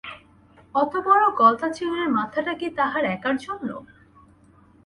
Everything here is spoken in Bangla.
অত বড় গলদা চিংড়ির মাথাটা কি তাহার একার জন্য?